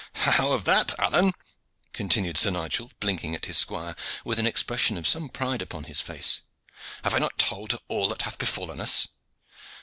"How of that, Alleyne?" continued Sir Nigel, blinking at his squire, with an expression of some pride upon his face. "Have I not told her all that hath befallen us?"